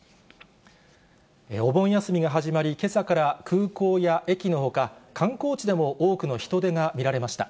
お盆休みが始まり、けさから空港や駅のほか、観光地でも多くの人出が見られました。